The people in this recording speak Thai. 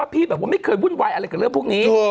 พี่แบบว่าไม่เคยวุ่นวายอะไรกับเรื่องพวกนี้